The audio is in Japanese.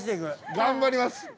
頑張ります。